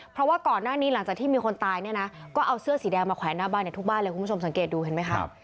เพราะว่าก่อนหน้านี้หลังจากที่มีคนตายเนี่ยนะก็เอาเสื้อสีแดงมาแขวนหน้าบ้านในทุกบ้านเลยคุณผู้ชมสังเกตดูเห็นไหมคะ